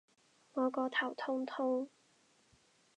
我個頭痛痛